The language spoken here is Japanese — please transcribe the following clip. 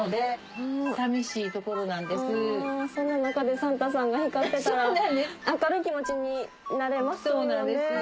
そんな中でサンタさんが光ってたら明るい気持ちになれますよね。